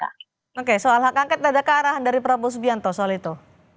oke soal hak angket ada kearahan dari prabowo subianto soal itu